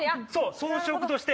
装飾として。